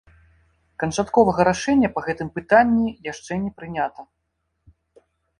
Канчатковага рашэння па гэтым пытанні яшчэ не прынята.